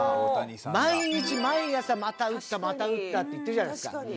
毎日毎朝また打ったまた打ったって言ってるじゃないですか。